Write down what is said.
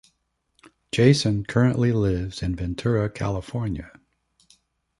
Jason currently lives in Ventura California.